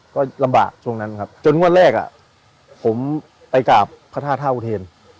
ก็ลำบากช่วงนั้นครับจนวันแรกอะผมไปกราบพระธาตุภาพุทธเทร